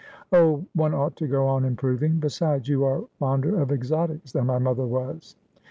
' Oh, one ought to go on improving. Besides, you are fonder of exotics than my mother was.